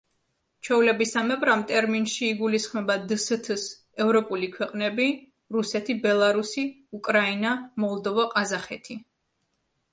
ჩვეულებისამებრ, ამ ტერმინში იგულისხმება დსთ-ს ევროპული ქვეყნები: რუსეთი, ბელარუსი, უკრაინა, მოლდოვა, ყაზახეთი.